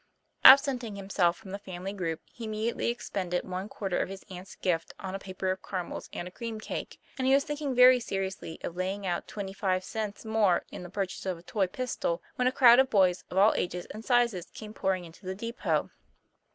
Absent ing himself from the family group, he immediately expended one quarter of his aunt's gift on a paper of caramels and a cream cake; and he was thinking very seriously of laying out twenty five cents more in the purchase of a toy pistol, when a crowd of boys of all ages and sizes came pouring into the depot.